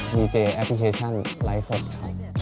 บีเจแอปพลิเคชั่นไรศสนธ